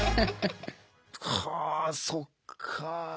はあそっか。